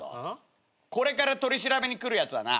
これから取り調べに来るやつはな